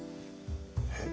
えっ？